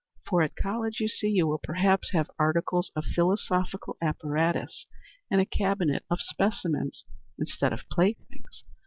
For at college, you see, you will perhaps have articles of philosophical apparatus, and a cabinet of specimens, instead of playthings.